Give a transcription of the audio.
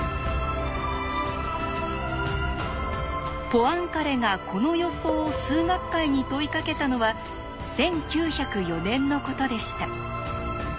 ポアンカレがこの予想を数学界に問いかけたのは１９０４年のことでした。